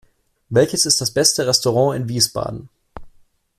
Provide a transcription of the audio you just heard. Welches ist das beste Restaurant in Wiesbaden?